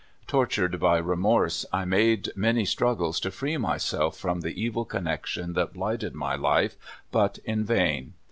Tortured by remorse, I made many struggles to free myself from the evil connection that blighted my life, but in vain.